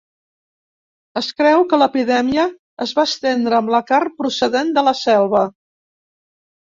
Es creu que l'epidèmia es va estendre amb la carn procedent de la selva.